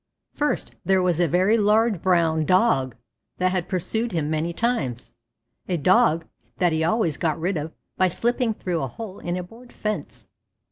First, there was a very large brown Dog that had pursued him many times, a Dog that he always got rid of by slipping through a hole in a board fence.